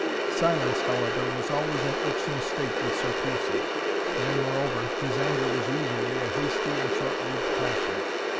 Silence, however, was always an irksome state with Sir Piercie and, moreover, his anger was usually a hasty and short lived passion.